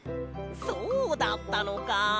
そうだったのか。